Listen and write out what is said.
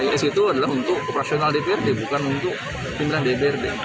is itu adalah untuk operasional dprd bukan untuk pimpinan dprd